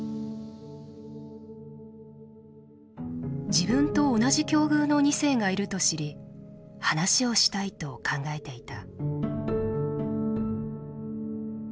自分と同じ境遇の２世がいると知り話をしたいと考えていた。